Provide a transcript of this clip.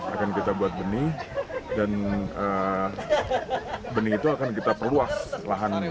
akan kita buat benih dan benih itu akan kita perluas lahannya